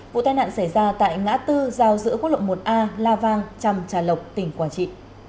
vụ tai nạn xảy ra tại ngã tư giao giữa quốc lộ một a la vang trầm trà lộc tỉnh quảng trị